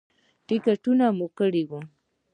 ټکټونه مو کړي وو.